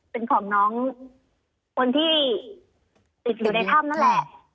เป็นของน้องคนที่ติดอยู่ในถ้ำนั่นแหละ